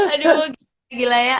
aduh gila ya